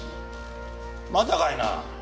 またかいな！